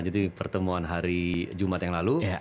lalu kita lanjutin pertemuan hari jumat yang lalu